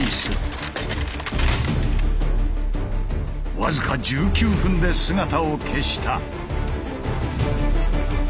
僅か１９分で姿を消した。